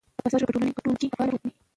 باسواده ښځې په ټولنه کې فعال رول لوبوي.